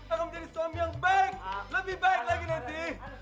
aku menjadi suami yang baik lebih baik lagi nensi